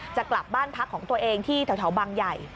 จะกลับบ้านพักของตัวเองที่แถวบางใหญ่